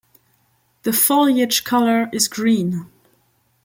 The foliage color is green.